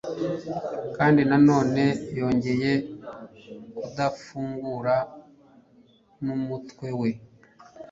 Kandi na none yongeye kudafungura numutwe we